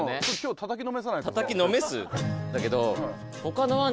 たたきのめす？だけど。